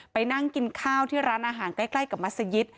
ไปนั่งกินข้าวที่ร้านอาหารใกล้กับมัศยิต